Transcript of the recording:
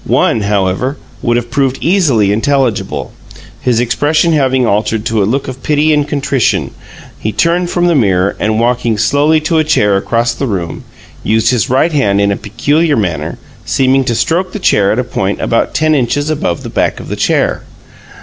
One, however, would have proved easily intelligible: his expression having altered to a look of pity and contrition, he turned from the mirror, and, walking slowly to a chair across the room, used his right hand in a peculiar manner, seeming to stroke the air at a point about ten inches above the back of the chair.